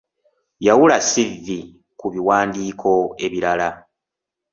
Yawula 'ssivvi' ku biwandiiko ebirala.